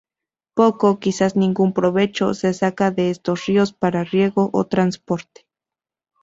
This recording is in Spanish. Poco, quizás ningún provecho, se saca de estos ríos para riego o transporte.